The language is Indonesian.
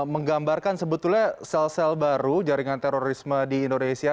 menggambarkan sebetulnya sel sel baru jaringan terorisme di indonesia